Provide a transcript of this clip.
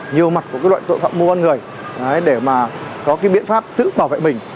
nhiều mặt của loại tội phạm mua bán người để có biện pháp tự bảo vệ mình